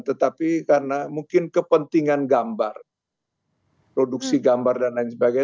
tetapi karena mungkin kepentingan gambar produksi gambar dan lain sebagainya